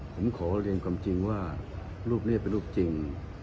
ผมขอเรียนความจริงว่ารูปนี้เป็นรูปจริง